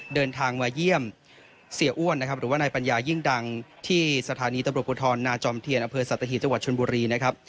เดินทางมาเยี่ยมเสียอ้วนนะครับหรือว่านายปัญญายิ่งดังที่สถานีตำรวจภูทรนาจอมเทียนอำเภอสัตหีบจังหวัดชนบุรีนะครับ